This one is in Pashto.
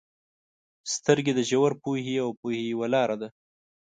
• سترګې د ژور پوهې او پوهې یوه لاره ده.